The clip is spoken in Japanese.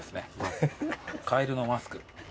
カエルのマスク。